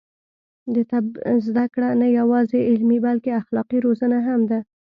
د طب زده کړه نه یوازې علمي، بلکې اخلاقي روزنه هم ده.